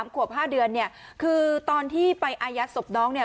ขวบ๕เดือนเนี่ยคือตอนที่ไปอายัดศพน้องเนี่ย